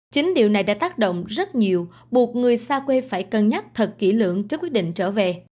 chính điều này đã tác động rất nhiều buộc người xa quê phải cân nhắc thật kỹ lưỡng trước quyết định trở về